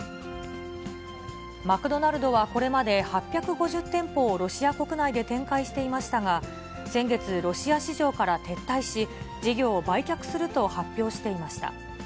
マクドナルドはこれまで、８５０店舗をロシア国内で展開していましたが、先月、ロシア市場から撤退し、事業を売却すると発表していました。